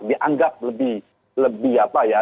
dianggap lebih apa ya